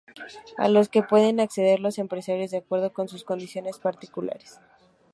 A los que pueden acceder los empresarios de acuerdo con sus condiciones particulares.